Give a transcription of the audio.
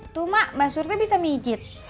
tuh mak mbak surti bisa mijit